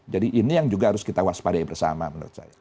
jadi ini yang juga harus kita waspadai bersama menurut saya